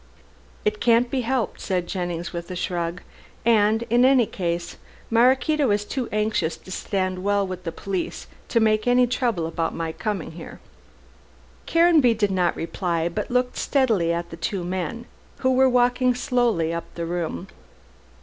"It can't be helped," said Jennings with a shrug; "and, in any case, Maraquito is too anxious to stand well with the police to make any trouble about my coming here." Caranby did not reply, but looked steadily at the two men who were walking slowly up the room.